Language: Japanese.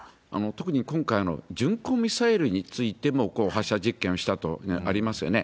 特に今回の巡航ミサイルについても、発射実験をしたとありますよね。